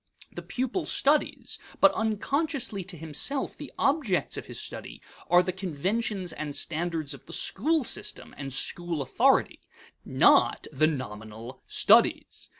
The pupil studies, but unconsciously to himself the objects of his study are the conventions and standards of the school system and school authority, not the nominal "studies."